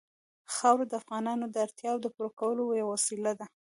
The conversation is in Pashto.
خاوره د افغانانو د اړتیاوو د پوره کولو یوه وسیله ده.